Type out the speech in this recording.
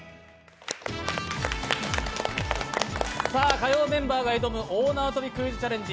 火曜メンバーが挑む大縄跳びクイズチャレンジ。